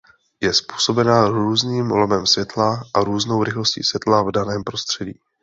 Je způsobena různým lomem světla a různou rychlostí světla v daném prostředí.